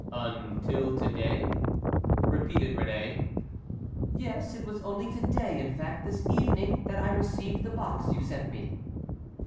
"Until to day?" repeated Réné. "Yes; it was only to day, in fact, this evening, that I received the box you sent me."